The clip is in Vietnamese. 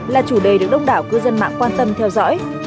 là chủ đề được đông đảo cư dân mạng quan tâm theo dõi